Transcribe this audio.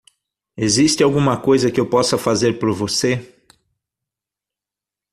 Existe alguma coisa que eu possa fazer por você?